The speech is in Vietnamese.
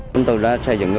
chúng tôi đã xây dựng